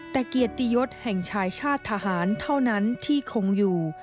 แต่เกียรติยศแห่งชายชาติทหารเท่านั้นที่คงอยู่